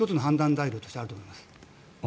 材料としてあると思います。